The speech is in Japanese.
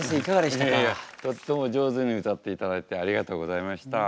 いやいやとっても上手に歌っていただいてありがとうございました。